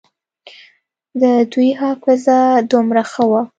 د دوى حافظه دومره ښه وه.